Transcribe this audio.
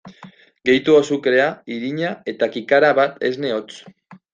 Gehitu azukrea, irina eta kikara bat esne hotz.